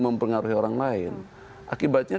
mempengaruhi orang lain akibatnya